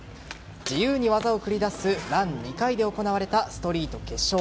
自由に技を繰り出すラン２回で行われたストリート決勝。